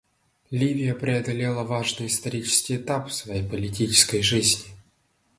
Ливия преодолела важный исторический этап в своей политической жизни.